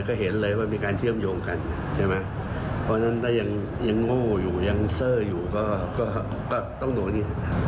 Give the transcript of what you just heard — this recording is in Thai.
ก็เห็นเลยว่ามีการเชื่อมโยงกันใช่ไหมเพราะฉะนั้นถ้ายังโง่อยู่ยังเซอร์อยู่ก็ต้องดูดิ